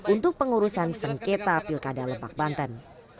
untuk pengurusan sengketa pilkada lebak banten